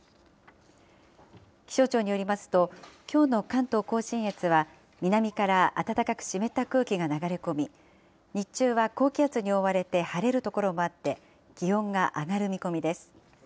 気象庁によりますと、きょうの関東甲信越は、南から暖かく湿った空気が流れ込み、日中は高気圧に覆われて晴れる所もあって、気温が上がる見込みです。